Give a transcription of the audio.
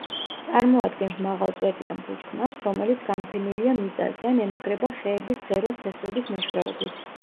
წარმოადგენს მაღალ წვეტიან ბუჩქნარს, რომელიც განფენილია მიწაზე ან ემაგრება ხეების ღეროს ფესვების მეშვეობით.